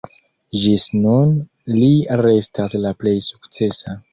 Ĝis nun li restas la plej sukcesa.